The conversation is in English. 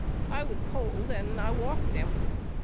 I was cold and I walked him.